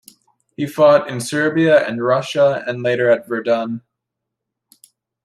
He fought in Serbia and Russia and later at Verdun.